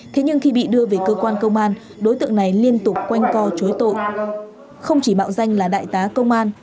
thế nhưng khi bị đưa về cơ quan công an đối tượng này liên tục quanh co chối tội không chỉ mạo danh là đại tá công an